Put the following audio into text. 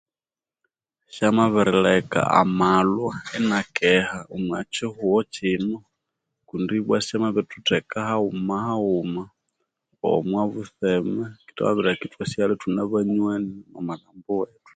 Kyabirileka amarwa inakeha omwakyihugho kino, kundi syamabirithutheka haghuma haghuma omwabutsema kyabirileka ithwasighara ithune banwani omubulhambu bwethu